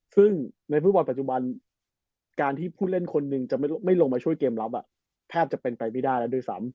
ซึ่งในฟุตบอลปัจจุบันการที่ผู้เล่นคนหนึ่งจะไม่ลงมาช่วยเกมรับแทบจะเป็นไปไม่ได้แล้วด้วยซ้ำ